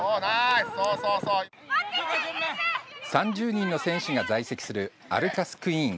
３０人の選手が在籍するアルカスクイーン